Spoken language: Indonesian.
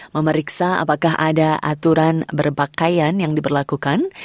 memeriksa apakah ada aturan berpakaian yang diberlakukan